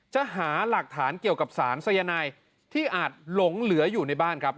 จะหาหลักฐานเกี่ยวกับสารสายนายที่อาจหลงเหลืออยู่ในบ้านครับ